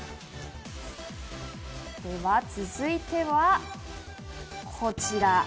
続いてはこちら。